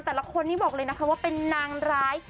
แต่ละคนนี้บอกเลยนะคะว่าเป็นนางร้าย